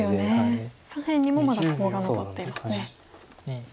左辺にもまだコウが残ってるんですね。